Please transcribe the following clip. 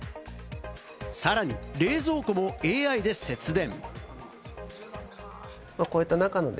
さらに冷蔵庫もＡＩで節電。